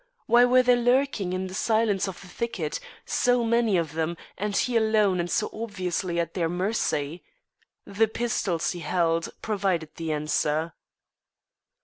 Why were they lurking in the silence of the thicket, so many of them, and he alone and so obviously at their mercy? The pistols he held provided the answer.